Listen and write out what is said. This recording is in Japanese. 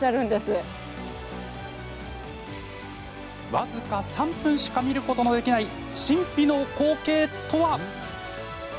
僅か３分しか見ることのできない神秘の光景とは？